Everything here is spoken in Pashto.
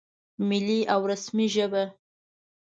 ملي او رسمي ژبه